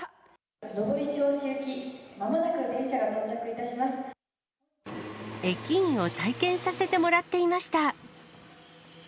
上り銚子行き、駅員を体験させてもらっていました。